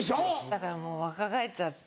だからもう若返っちゃって。